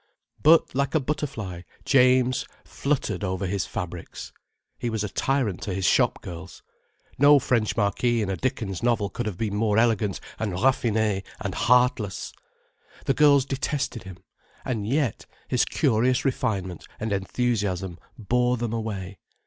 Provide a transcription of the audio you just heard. But like a butterfly James fluttered over his fabrics. He was a tyrant to his shop girls. No French marquis in a Dickens' novel could have been more elegant and raffiné and heartless. The girls detested him. And yet, his curious refinement and enthusiasm bore them away.